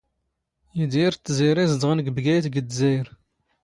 ⵉⴷⵉⵔ ⴷ ⵜⵣⵉⵔⵉ ⵣⴷⵖⵏ ⴳ ⴱⴳⴰⵢⵜ ⴳ ⴷⴷⵣⴰⵢⵔ.